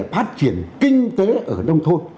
phát triển kinh tế ở nông thôn